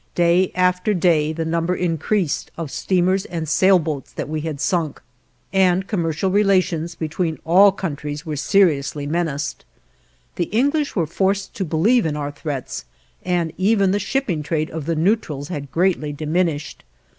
Day after day, the number increased of steamers and sail boats that we had sunk, and commercial relations between all countries were seriously menaced. The English were forced to believe in our threats and even the shipping trade of the neutrals had greatly diminished.